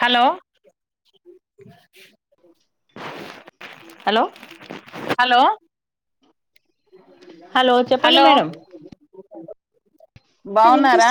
Hello hello hello hello చెప్పండి hello madam బావున్నారా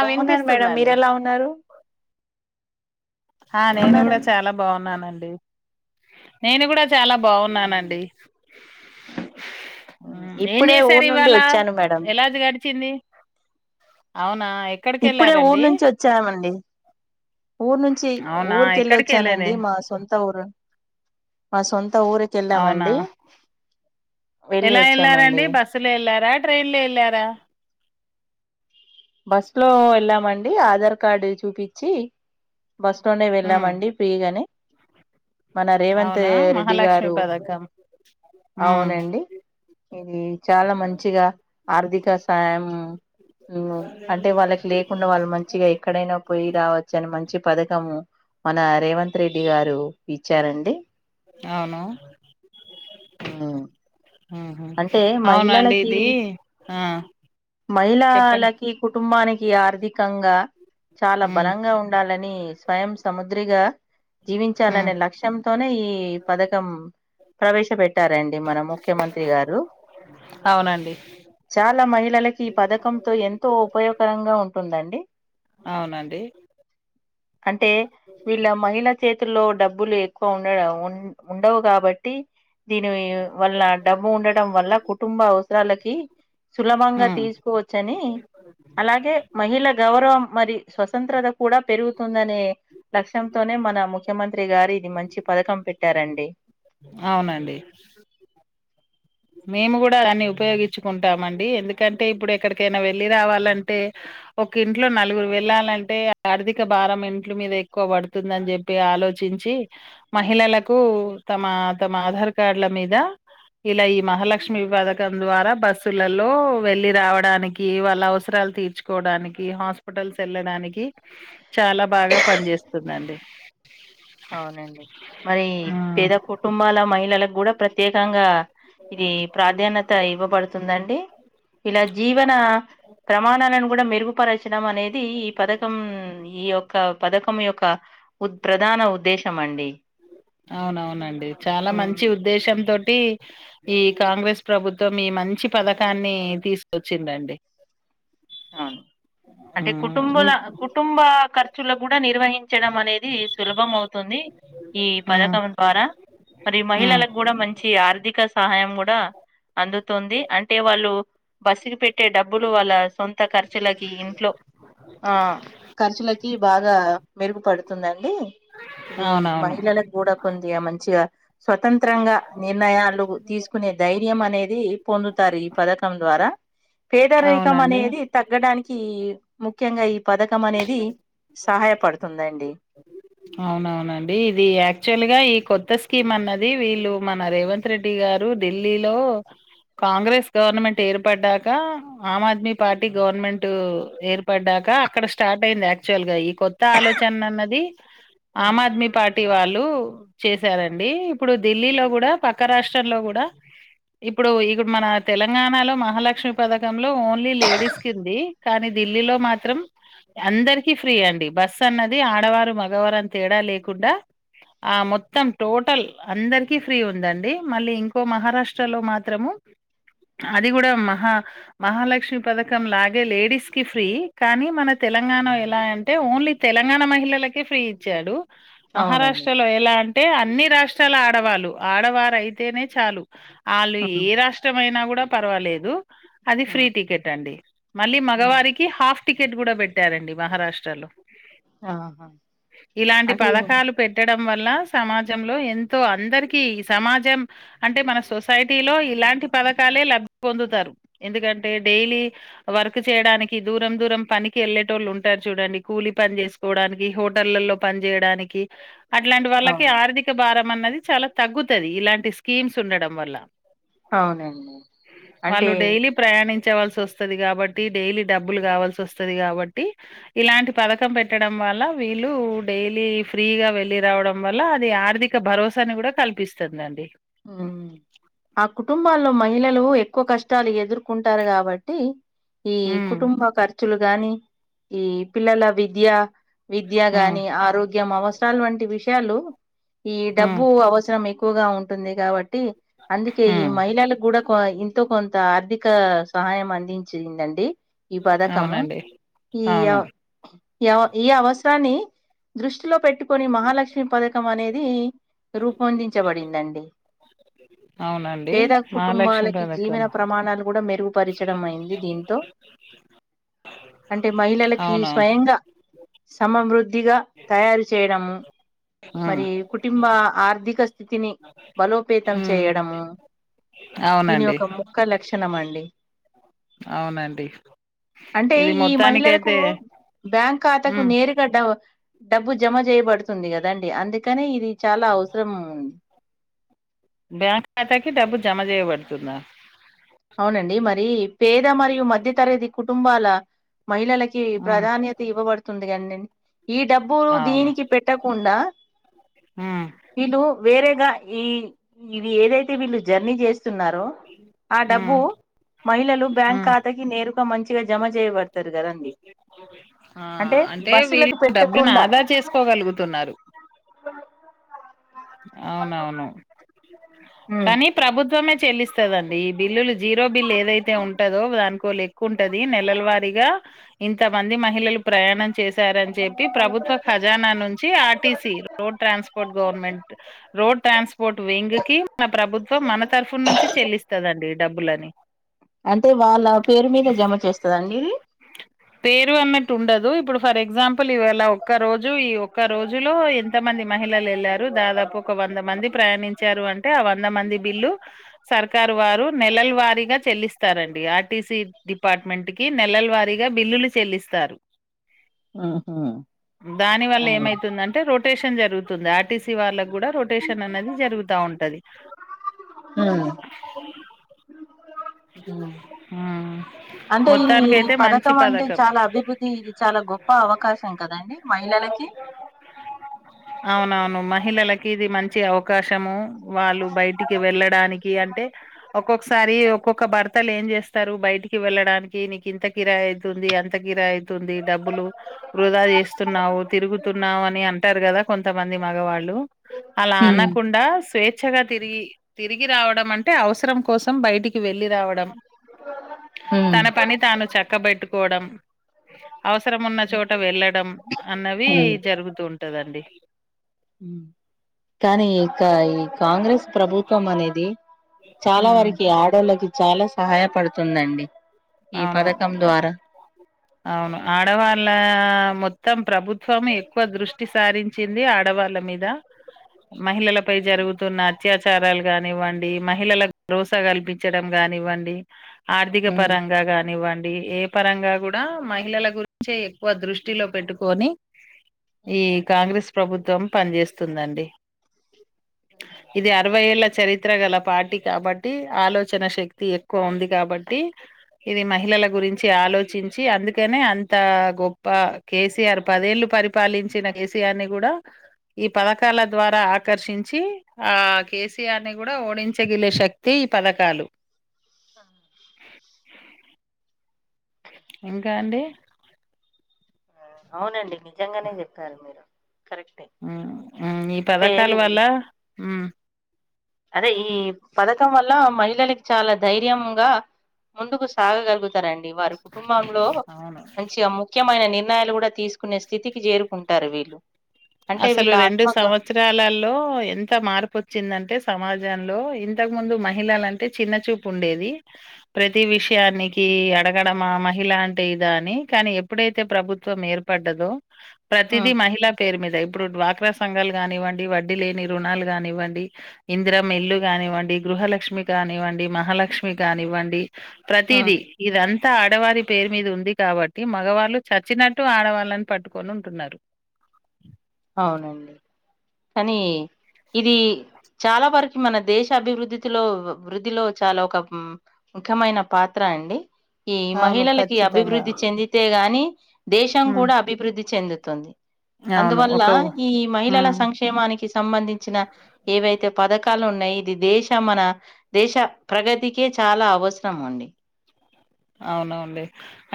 బాగున్నా మేడం మీరూ ఎలా ఉన్నారు ఆ నేను కూడా ఉన్నారండి చాలా బాగున్నా నేను ఎప్పుడూ చాలా బాగున్నానండి ఏం ఇప్పుడే చేసారు ఊరు నుండి ఇవాళ వచ్చాను మేడం ఎలాది గడిచింది అవును ఇప్పుడే ఊరు నుంచి వచ్చామండి ఊరు నుంచి అవునా ఊరిక వెళ్ళి ఎక్కడికి వచ్చానండి వెళ్ళేది మా సొంత ఊరు ఆ సొంత మత్త అవునా ఊరకెళ్ళామండి ఎలా ఎలారండి బస్సు లో ఇల్ారా అ ఇళ్ళ ఎళార బస్ లో వెళ్ళామండి ఆధార్ కార్డు చూపించి బస్ స్టాండ్డే ఉమ్ వెళ్ళామండి ఫ్రీగానే మన రేవంత్ అవునా రెడ్డి మహాలక్ష్మి గారు పథకం ఉమ్ అవునండి ఇది చాలా మంచిగా ఆర్థిక సాాయం అ అంటే వాళ్ళకి లేకుండా వాళ్ళు మంచిగా ఎక్కడైనా పోయి రావచ్చ అని మంచి పథకము మన రేవంత్ రెడ్డి గారు ఇచ్చారండి అవును ఉమ్, ఉహు అంటే అవునండి మహిళలకి ఇది ఆ మహిళా చెప్పండి లకి కుటుంబానికి ఆర్థికంగా చాలా ఉమ్ బలంగా ఉండాలని ని స్వయం సముద్రిగా ఉమ్ జీవించాలనే లక్ష్యంతోనే ఈ పథకం ప్రవేశపెట్టు టారండి మన ముఖ్యమంత్రి గారు అవునండి చాలా మహిళలకి ఈ పథకంతో ఎంతో ఉపయోగకరంగా ఉంటుందండి. అవునండి అంటే వీళ్ళ మహిళ చేతుల్లో డబ్బులు ఎక్ ఉండయ ఉ ఉండవు గాబట్టి దీని వల్ల ఉండటం వల్ల కుటుంబ అవసరాలకి సులభంగా ఉమ్ తీసుకు వచ్చని అలాగే మహిళ గౌరవం మరి స్వతంత్రత కూడా పెరుగుతుందనే లక్ష్యంతోనే మన ముఖ్యమంత్రి గారు ఇది మంచి పథకం పెట్టారండి. అవునండి. మేము గూడా దాన్ని ఉపయోగించుకుంటామండి ఎందుకంటే ఇప్పుడు ఎక్కడికైనా వెళ్లిి రావాలంటే ఒక ఇంట్లో నలుగురు వెళ్ళాలంటే ఆర్థిక భారం ఇంట్ల మీద ఎక్కువ పడుతుందని చెప్పి ఆలోచించి మహిళలకు తమ తమ ఆధార్ కార్డ్ల మీద ఇలా మహాలక్ష్మి పథకం ద్వారా బస్సులలో వెళ్ళి రావడానికి వాళ్ళ అవసరాలు తీర్చుకోవడానికి హాస్పిటల్స్ వెళ్ళడానికి చాలా బాగా పనిచేస్తుందండి అవునండి మరీ ఉమ్ పేద కుటుంబాల మహిళలకు గూడ ప్రత్యేకంగా ఇది ప్రాధాన్యత ఇవ్వబడుతుందండి. ఇలా జీవన ప్రమాణాలను కూడా మెరుగుపరచడం అనేది ఈ పథకం ఈ యొక్క పథకం యొక్క ఉత్ ప్రధాన ఉత్ అవునవునండి చాలా ఉమ్ మంచి ఉద్దేశం తోటి ఈ కాంగ్రెస్ ప్రభుత్వం ఈ మంచి పథకాన్ని తీసుకొచ్చిందండి. అవును అంటే హ్మ్ కుటుంబల హ్మ్ కుటుంబకర్ [unintelligible] నిర్వహించడం అనేది సులభం అవుతుంది ఈ హ్మ్ పథకం ద్వారా మరి హ్మ్ మహిళలకు గూడ మంచి ఆర్థిక సహాయం గూడా అందుతుంది అంటే వాళ్ళు బస్సుకి పెట్టే డబ్బులు వాళ్ళ కొత్త ఖర్చులకి ఇంట్లో ఆ ఖర్చులకి బాగా మెరుగుపడుతుందండి ఇది అవునవును మహిళలకు గూడా కొదిగా మంచిగా స్వతంత్రంగా నిర్ణయాల్ తీసుకునే ధై యం అనేది పొందుతారు ఈ పథకం ద్వారా వేదరేకం అవునండి అనేది. తగ్గడానికి ముఖ్యంగా ఈ పథకం అనేది సహాయపడుతుందండీ. అవునవునండి. ఇది యాక్చువల్ గా ఈ కొత్త స్కీమ్ అన్నది వీళ్ళు మన రేవంత్ రెడ్డి గారు ఢిల్లీలో కాంగ్రెస్ గవర్నమెంట్ ఏర్పడ్డాక, ఆమ్ ఆద్మీ పార్టీ గవర్నమెంట్ ఏర్పడ్డాక, అక్కడ స్టార్ట్ అయింది యాక్చువల్ గా ఈ కొత్త ఆలోచనన్నది. ఆమ్ ఉమ్ ఆద్మీ పార్టీ వాళ్ళు. చేసారండి, ఇప్పుడు ధీల్లీలో గూడా, పక్క రాష్ట్రంలో గూడా ఇప్పుడు ఇగుడ్ మన తెలంగాణలో మహాలక్ష్మి పథకం. లో ఓన్లీ లేడీస్కింది కానీ ధీల్లీలో మాత్. త్రం అందరికి ఫ్రీ అండి. బస్ అన్నది ఆడవారు మ.. గవరన్ తేడా లేకుండా ఆ మొత్తం టోటల్ అందరికి ఫ్రీ ఉందండి మళ్ళీ ఇంకో మహారాష్ట్ర లో మాత్రము అది గూడా మహా మహాలక్ష్మి పథకం లాగే లేడీస్ కి ఫ్రీ కానీ మన తెలంగాణ ఎలా అంటే ఓన్లీ తెలంగాణ మహిళల. Key free. చ్చాడు, అవునండి మహారాష్ట్రలో ఎలాన్. టే అన్ని రాష్ట్రాల ఆడవాళ్ళు, ఆడవారయితేనే చాలు. ఆళ్ళు ఉమ్ ఏ రాష్ట్రం అయినా గూడా. పర్వాలేదు. అది ఫ్రీ ఉమ్ టికెట్ అండి. మళ్ళీ ఉమ్ మగవారికి హాఫ్. టికెట్ గూడా బెట్టారండి మహారాష్ట్ర లో. ఆహా ఇలాంటి అంటే పథకాలు పెట్టడం. వల్ల సమాజంలో ఎంతో, అందరికి సమాజం అంటే మన సొసైటీ లో ఇలాంటి పథకాలే ల [inaudible] పొందుతారు. ఎందుకంటే, డెలీ వర్క్ చేయడానికి దూరం, దూరం పనికి ఏళ్ళేటోళ్ళు ఉంటారు చూడండి కూలి పని జేస్కోడాని.. కీ హోటళ్లలో పని జేయడానికి. అట్లాంటి వాళ్ళకి అవును ఆర్థిక భారం. మన్నది చాలా తగ్గుతది ఇలాంటి స్కీమ్స్ ఉండడం వల్ల. అవునండి, అంటే. చ్చవలసొస్తది గాబట్టి, డైలీ డబ్బులు గావాల్సొస్తది గాబట్టి, ఇలాంటి పథకం పెట్టడం వల్ల. వీళ్ళూ డైలీ ఫ్రీగా వెళ్లి రావడం వల్ల అది ఆర్థిక భరోసాని గూడా కల్పిస్తుందండి. ఆ కుటుం.. బాల్లో మహిళలు ఎక్కుకష్టాలు ఎదుర్కుంటారు గాబట్టి. ఈ ఉమ్ కుటుంబకర్. తులు గాని, ఈ పిల్లల విద్య. విద్యా ఉమ్ గాని, ఆరోగ్యం అవస్. [inaudible] వంటి విష్యాలు. ఈ ఉమ్ డబ్బు అవసరం ఎక్కు. పోగా ఉన్. టుంది గాబట్టి. అందుకే ఈ ఉమ్ మహిళల్ గూడా. కో ఇంతో కొంత ఆర్థిక సహాయం అందించిందండి. ఈ బదకము అవునండి ఈఆ. అవును ఎవ ఈ అవసరాన్ని దృష్టిలో పెట్టుకొని మహాలక్ష్మి పథకం అనేది రూపొందించబడిందండి అవునండి పేద మహాలక్ష్మి కుటుంబాలకి పథకం జీవన ప్రమాణాలు కూడా మెరుగుపరచడం అయింది దీంతో అంటే మహిళలకి అవునవును స్వయంగా సమృద్ధి కొద్దిగా తయారు చేయడము ఉమ్ మరి కుటుంబ ఆర్థిక స్థితిని బలోపేతం ఉమ్ చేయడము దీని అవునండి ఒక ముక్క లక్షణం అండి అవునండి అంటే ఇది ఈ మహిళలకు మొత్తానికైతే బ్యాంక్ ఖాతాకు ఉమ్ నేరుగా డ డబ్బు జమ చేయబడుతుంది కదా దండి అందుకనే ఇది చాలా అవసరం బ్యాంక్ ఖాతాకి డబ్బు జమ చేయబడుతుందా అవునండి మరి పేద మరియు మధ్యతరగతి కుటుంబాల మహిళలకి ఉమ్ ప్రాధాన్యత ఇవ్వబడుతుంది కండండి ఈ డబ్బు అవును దీనికి పెట్టకుండా ఉమ్ విళ్ళు వేరే ఇగా ఈ ఇది ఏదైతే వీళ్ళు జర్నీ చేస్తున్నారో ఆ ఉమ్ డబ్బు మహిళలు బ్యాంక్ ఉమ్ ఖాతాకి నేరు లేక మంచిగా జమ చేయబడతారు కదండి ఆ అంటే వీళ్ళు బస్సులకు డబ్బుని పెట్టకుండా ఆదా చేసుకోగలుగుతున్నారు అవునవును ఉమ్ కానీ ప్రభుత్వమే చెల్లిస్త స్తుదండి ఈ బిల్లులు జీరో బిల్ ఏదైతే ఉంటందో దాకో లే ఉంటది నెలల వారీగా ఇంత మంది మహిళలు ప్రయాణం చేశారని చెప్పి ప్రభుత్వ ఖజానా నుంచి RTC road transport government road transport wing కి మన ప్రభుత్వం మన తరఫు నుంచి చెల్లిస్తదండి డబ్బులని అంటే వాళ్ళ పేరు మీద జమ చేస్తదండి పేరు అన్నట్టు ఉండదు ఇప్పుడు ఫర్ ఎగ్జాంపుల్ ఇవాళ ఒక్క రోజు ఈ ఒక్క రోజు లో ఎంత మంది మహిళలు వెళ్లారు దాదాపు ఒక వంద మంది ప్రయాణించారు అంటే ఆ వంద మంది బిల్లు సర్కారు వారు నెలల వారీగా చెల్లిస్తారండి ఆర్టీసీ డిపార్ట్మెంట్ కి నెలల వారీగా బిల్లులు చెల్లిస్తారు ఆహా దాని వల్ల అవును ఏమైతుందంటే రొటేషన్ జరుగుతు ఆర్టీసి రొటేషన్ అనేది జరుగుతా ఉంటది ఉమ్ హ్మ్. అంటే ఈ మొత్తానికైతే మంచి పథకం అంటే చాలా అభివృద్ధి ఇది చాలా గొప్ప అవకాశం కదా దాని మహిళలకి అవునవును మహిళలకి ఇది మంచి అవకాశము వాళ్ళు బయటికి వెళ్ళడానికి అంటే ఒక్కొక్కసారి ఒక్కొక్క భర్తలు ఏం చేస్తారు బయటికి వెళ్ళడానికి నీకు ఇంత కిరాయి అవుతుంది అంత కిరాయి అవుతుంది డబ్బులు వృధా చేస్తున్నావు తిరుగుతున్నావు అని అంటారు కదా ఎంతమంది మగవాళ్ళు అలా ఉమ్ అనకుండా స్వేచ్ఛగా తిరిగి తిరిగి రావడం అంటే అవసరం కోసం బయటికి వెళ్ళి రావడం ఉమ్ తన పని తాను చక్కబెట్టుకోవడం అవసరం ఉన్న చోట వెళ్ళడం అన్నవి జరుగుతూ ఉంటదండి కానీ ఇంక కాంగ్రెస్ ప్రభుత్వం అనేది చాలా ఉమ్ వరకి ఆడోళ్ళకి చాలా సహాయపడుతుందండి ఈ పథకం అవును ద్వారా అవును ఆడవాళ్ళ మొత్తం ప్రభుత్వం ఎక్కువ దృష్టి సారించింది ఆడవాళ్ళ మీద మహిళలపై జరుగుతున్న అత్యాచారాలు కానివ్వండి మహిళలకు భరోసా కల్పించడం కానివ్వండి ఆర్థిక ఉమ్ పరంగా కానివ్వండి ఏ పరంగా కూడా మహిళల గురించే ఎక్కువ దృష్టిలో పెట్టుకొని ఈ కాంగ్రెస్ ప్రభుత్వం పనిచేస్తుందండి ఇది అరవై ఏళ్ళ చరిత్ర గల పార్టీ కాబట్టి ఆలోచన శక్తి ఎక్కువ ఉంది కాబట్టి ఇది మహిళల గురించి ఆలోచ ర్చించి అందుకనే అంత గొప్ప కేసీఆర్ పదేళ్లు పరిపాలించిన కేసీఆర్ ని కూడా ఈ పథకాల ద్వారా ఆకర్షించి ఆ కేసీఆర్ ని కూడా ఓడించగిలే శక్తి ఈ పథకాలు స ఇంకా అండి అవునండి నిజంగానే చెప్పారు మీరు కరెక్టే ఉమ్ ఉమ్ ఈ అంటే పథకాల వల్ల ఉమ్ అదే ఈ పథకం వల్ల మహిళలకి చాలా ధైర్యంగా ముందుకు సాగగలుగుతారండి వారి కుటుంబంలో అవును మంచిగా ముఖ్యమైన నిర్ణయాలు కూడా తీసుకునే స్థితికి చేరుకుంటారు వీళ్ళు అంటే అసలు వీళ్ళ రెండు ఆత్మగ సంవత్సరాలలో ఎంత మార్పు వచ్చిందంటే సమాజ ప్రజంలో ఇంతకు ముందు మహిళలంటే చిన్న చూపు ఉండేది ప్రతి విషయానికి అడగడంమా మహిళ అంటే ఇదా అని కానీ ఎప్పుడైతే ప్రభుత్వం ఏర్పడ్డదో ప్రతిదది హ్మ్ మహిళా పేరు మీద ఇప్పుడు డ్వాక్రా సంఘాలు కానివ్వండి వడ్డీ లేని రుణాలు కానివ్వండి ఇందిరం ఎల్లు కానివ్వండి గృహలక్ష్మి కానివ్వండి మహాలక్ష్మి కానివ్వండి హ్మ్ ప్రతీదీ ఇదంత అంత ఆడవారి పేరు మీద ఉంది కాబట్టి మగవాళ్ళు చచ్చినట్టు ఆడవాళ్ళని పట్టుకొని ఉంటున్నారు అవునండి కానీ ఇది చాలా వరకు మన దేశ అభివృద్ధిలో వృద్ధిలో చాలా ఒక ముఖ్యమైన పాత్ర అండి ఈ అవును. మహిళలకి ఖచ్చితంగా. అభివృద్ధి చెందితే గాని దేశం హ్మ్ కూడా అభివృద్ధి చెందు తుంది అవును అందువల్ల ఒక ఈ మహిళల హ్మ్ సంక్షేమానికి సంబంధించిన ఏవైతే పథకాలు ఉన్నాయి, ఇది దేశ మన దేశ ప్రగతికే చాలా అవసరం అండి. అవునండి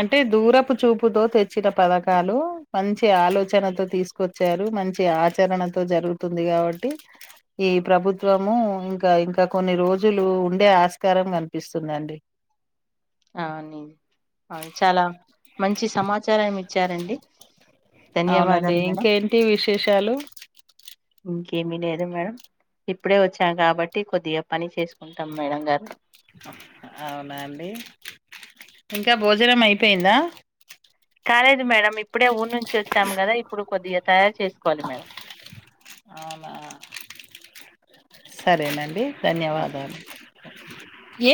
అంటే దూరపు చూపుతో తెచ్చిన పథకాలు మంచి ఆలోచనతో తీసుకొచ్చారు, మంచి ఆచరణతో జరుగుతుంది కాబట్టి, ఈ ప్రభుత్వము ఇంకా ఇంకా కొన్ని రోజులు ఉండే ఆస్కారం కనిపిస్తుందండి. అవునీ, అవును చాలా మంచి సమాచారం ఇచ్చారండి. అవునండి ధన్యవాదాలు మేడం ఇంకేంటి విశేషాలు ఇంకేమీ లేదు మేడం ఇప్పుడే వచ్చాం, కాబట్టి కొద్దిగా పని చేసుకుంటాం మేడం గారు. అవునా అండి ఇంకా భోజనం అయిపోయిందా. కాలేదు మేడం ఇప్పుడే ఊరి నుంచి వచ్చాము, కదా ఇప్పుడు కొద్దిగా తయారు చేసుకోవాలి మేడం. అవునా సరేనండి ధన్యవాదాలు ఆ, ఏ